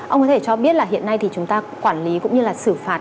ông có thể cho biết hiện nay chúng ta quản lý cũng như xử phạt